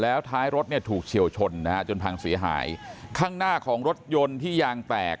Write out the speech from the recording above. แล้วท้ายรถเนี่ยถูกเฉียวชนนะฮะจนพังเสียหายข้างหน้าของรถยนต์ที่ยางแตก